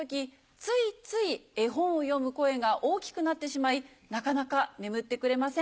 ついつい絵本を読む声が大きくなってしまいなかなか眠ってくれません。